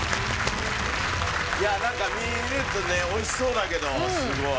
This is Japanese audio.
いやなんか見るとね美味しそうだけどすごい。